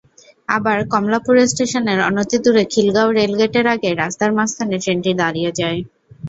আবার কমলাপুর স্টেশনের অনতিদূরে খিলগাঁও রেলগেটের আগে রাস্তার মাঝখানে ট্রেনটি দাঁড়িয়ে যায়।